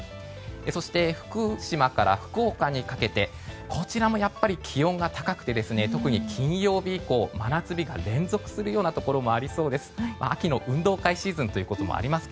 そして福島から福岡にかけてこちらも、気温が高くて特に金曜日以降真夏日が連続するようなところがありそうです。